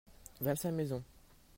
ving cinq maisons.